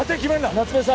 夏梅さん